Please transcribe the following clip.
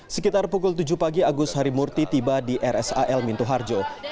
sekitar pukul tujuh pagi agus harimurti tiba di rsal minto harjo